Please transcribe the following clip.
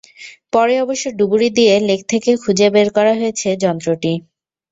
পরে অবশ্য ডুবুরি দিয়ে লেক থেকে খুঁজে বের করা হয়েছে যন্ত্রটি।